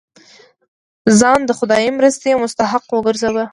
ځان د خدايي مرستې مستحق وګرځوو.